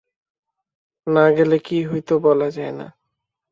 না গেলে কী হইত বলা যায় না।